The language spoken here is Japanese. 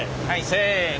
せの。